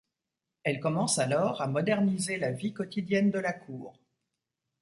Elle commence alors à moderniser la vie quotidienne de la cour...